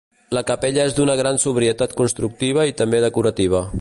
La capella és d'una gran sobrietat constructiva i també decorativa.